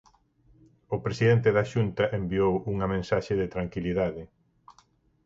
O presidente da Xunta enviou unha mensaxe de tranquilidade.